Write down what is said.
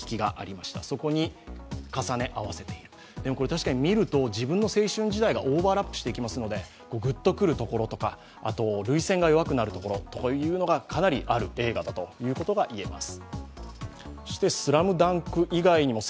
確かに、見ると自分の青春時代がオーバーラップしてきますのでぐっとくるところとか、涙腺が弱くなるところというのがかなりある映画だということが言えます。